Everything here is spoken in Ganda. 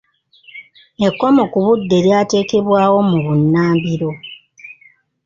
Ekkomo ku budde lyateekebwawo mu bunnambiro.